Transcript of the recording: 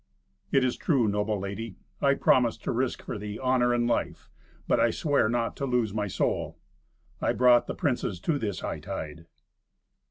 "It is true, noble lady. I promised to risk for thee honour and life, but I sware not to lose my soul. I brought the princes to this hightide."